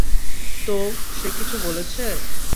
তো, সে কিছু বলেছে?